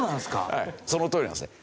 はいそのとおりなんですよ。